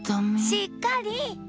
しっかり！